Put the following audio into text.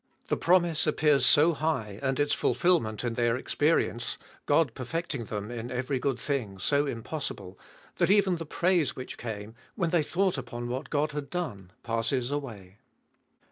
The promise appears so high, and its fulfilment in their experi ence, God perfecting them in every good thing, so impossible, that even the praise which came, when they thought upon what God had done, passes away.